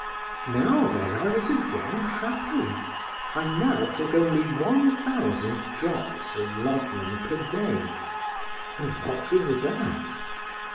Now, then, I was again happy; I now took only 1000 drops of laudanum per day; and what was that?